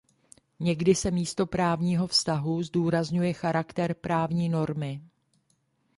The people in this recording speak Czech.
Někdy se místo právního vztahu zdůrazňuje charakter právní normy.